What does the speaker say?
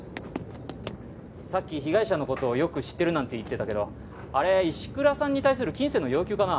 さっき被害者の事をよく知ってるなんて言ってたけどあれ石倉さんに対する金銭の要求かな？